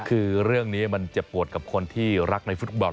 คือเรื่องนี้มันเจ็บปวดกับคนที่รักในฟุตบอล